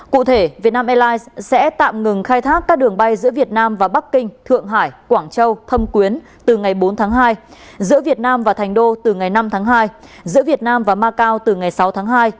cụ thể vietnam airlines sẽ tạm ngừng khai thác các đường bay giữa việt nam và bắc kinh thượng hải quảng châu thâm quyến từ ngày bốn tháng hai giữa việt nam và thành đô từ ngày năm tháng hai giữa việt nam và macau từ ngày sáu tháng hai